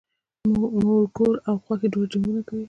مږور او خواښې دواړه جنګونه کوي